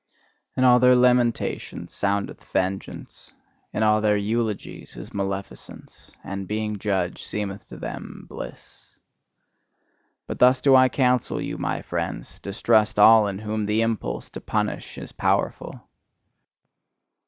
In all their lamentations soundeth vengeance, in all their eulogies is maleficence; and being judge seemeth to them bliss. But thus do I counsel you, my friends: distrust all in whom the impulse to punish is powerful!